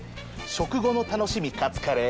「食後の楽しみカツカレー」。